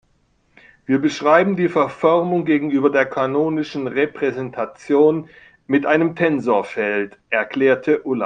Wir beschreiben die Verformung gegenüber der kanonischen Repräsentation mit einem Tensorfeld, erklärte Ulla.